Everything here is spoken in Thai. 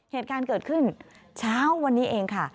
เหตุการณ์เกิดขึ้นเช้าวันนี้เองค่ะ